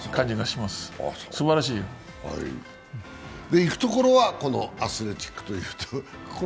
行くところはアスレチックスというところ。